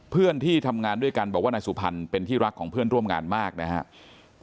เพื่อนที่ทำงานด้วยกันบอกว่านายสุพรรณเป็นที่รักของเพื่อนร่วมงานมากนะครับ